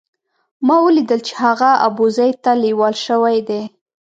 ما ولیدل چې هغه ابوزید ته لېوال شوی دی.